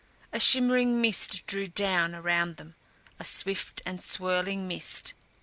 A shimmering mist drew down around them a swift and swirling mist.